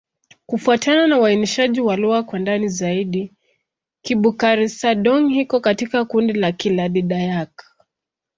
Kufuatana na uainishaji wa lugha kwa ndani zaidi, Kibukar-Sadong iko katika kundi la Kiland-Dayak.